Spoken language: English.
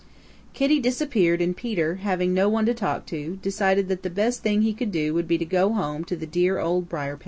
Kitty disappeared and Peter, having no one to talk to, decided that the best thing he could do would be to go home to the dear Old Briar patch.